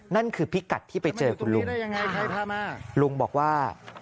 นั่นคือพิกัดที่ไปเจอคุณลุงลุงบอกว่า